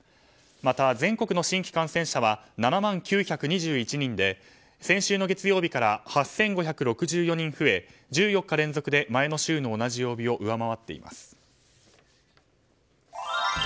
また、全国の新規感染者は７万９２１人で先週の月曜日から８５６４人増え１４日連続で前の週の同じ曜日を上回っています。